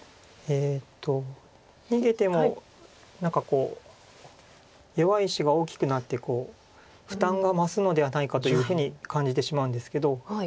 逃げても何か弱い石が大きくなって負担が増すのではないかというふうに感じてしまうんですけど。